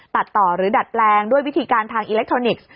ตัดต่อหรือดัดแปลงด้วยวิธีการทางอิเล็กทรอนิกส์